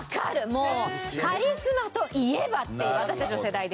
もうカリスマといえばっていう私たちの世代でいうと。